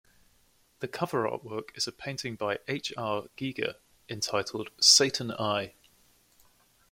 The cover artwork is a painting by H. R. Giger entitled "Satan I".